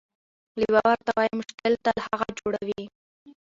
لیوه ورته وايي: مشکل تل هغه جوړوي،